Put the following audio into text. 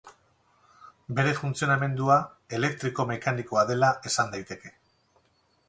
Bere funtzionamendua elektriko-mekanikoa dela esan daiteke.